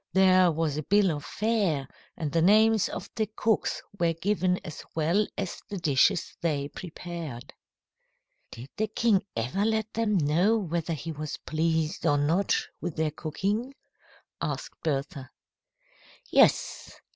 There was a bill of fare, and the names of the cooks were given as well as the dishes they prepared." "Did the king ever let them know whether he was pleased or not with their cooking?" asked Bertha. "Yes.